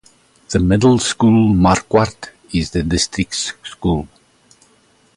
The middle school, Marquardt, is the district's school.